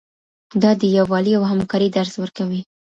دا د یووالي او همکارۍ درس ورکوي.